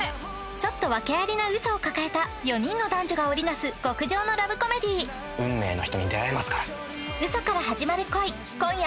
ちょっと訳ありな「嘘」を抱えた４人の男女が織りなす極上のラブコメディ「運命の人に出会えますから」